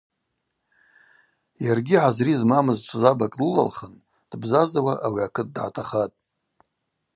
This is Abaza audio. Йаргьи, гӏари змамыз, чвзабакӏ длылахын, дбзазауа ауи акыт дгӏатахатӏ.